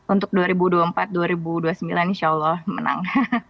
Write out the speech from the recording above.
untuk dua ribu dua puluh empat dua ribu dua puluh sembilan insya allah menang